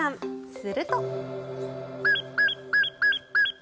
すると。